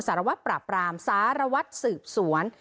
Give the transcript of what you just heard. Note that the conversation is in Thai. สารวัตรปราบรามสารวัตรสืบสวน